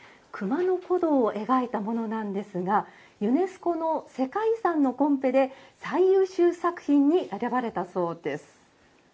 熊野古道を描いたものなんですがユネスコの世界遺産のコンペで最優秀作品に選ばれたそうです。